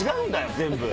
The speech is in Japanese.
全部！